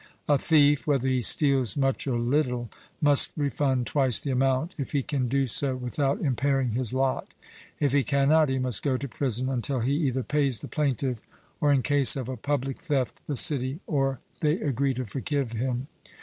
A thief, whether he steals much or little, must refund twice the amount, if he can do so without impairing his lot; if he cannot, he must go to prison until he either pays the plaintiff, or in case of a public theft, the city, or they agree to forgive him.